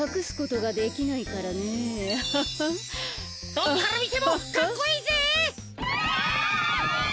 どこからみてもかっこいいぜ。